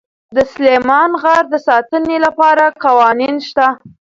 د سلیمان غر د ساتنې لپاره قوانین شته.